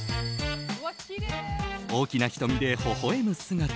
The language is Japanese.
大きな瞳でほほ笑む姿。